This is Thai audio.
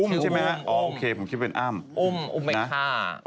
อุ้มไม่ใช่อ้ำอุ้มอุ้มอุ้มอุ้มอุ้มไม่ค่า